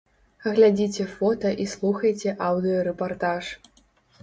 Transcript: Глядзіце фота і слухайце аўдыё-рэпартаж.